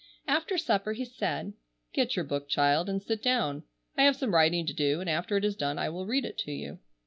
After supper he said: "Get your book, child, and sit down. I have some writing to do, and after it is done I will read it to you."